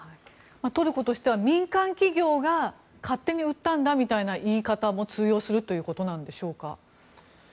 トルコとしては民間企業が勝手に売ったんだみたいな言い方も通用するということなんでしょうか。